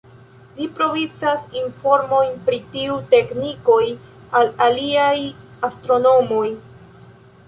Li provizas informojn pri tiu teknikoj al aliaj astronomoj.